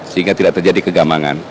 sehingga tidak terjadi kegamangan